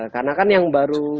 karena kan yang baru